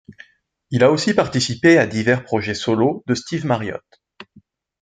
Il a aussi participé à divers projets solos de Steve Marriott.